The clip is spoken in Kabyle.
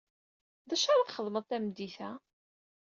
D acu ara txemeḍ tameddit-a?